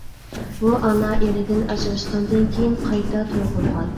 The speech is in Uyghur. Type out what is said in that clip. بۇ ئانا ئېرىدىن ئاجراشقاندىن كېيىن قايتا توي قىلغان.